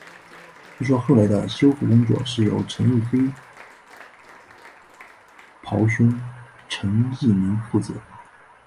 据说后来的修复工作是由陈逸飞胞弟陈逸鸣负责。